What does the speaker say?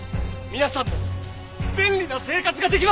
皆さんも便利な生活ができます！